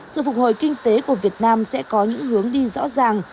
sự phục hồi kinh tế của việt nam sẽ có những hướng đi rõ ràng